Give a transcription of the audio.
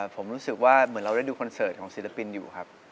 ผมรู้สึกว่าเหมือนเราได้ดูคอนเสิร์ตของศิลปินอยู่ครับ